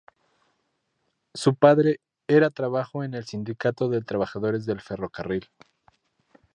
Su padre era trabajó en el Sindicato de Trabajadores del Ferrocarril.